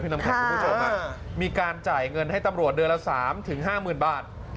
พี่นำคันคุณผู้ชมค่ะมีการจ่ายเงินให้ตำรวจเดือนละสามถึงห้าหมื่นบาท